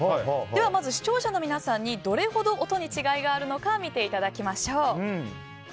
まず視聴者の皆さんにどれほど音に違いがあるのか見ていただきましょう。